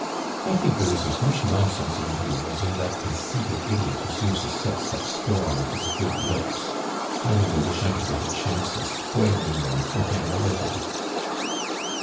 ••I think there i i as nnuh nonsen ^e in you as in that cojiceited idiot who seems to set such store on his good looks. I oidy wish I could get a chance of spoiling them for him a little